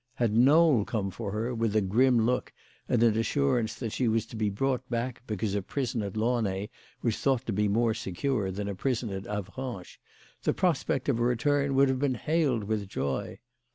Had Knowl come for her, with a grim look and an assurance that she was to be brought back because a prison at Launay was thought to be more secure than a prison at Avranches, the prospect of a return would have been hailed with joy.